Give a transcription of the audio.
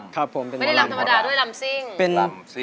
ครับครับผมเป็นหมอรำธรรมดาด้วยลำสิ้ง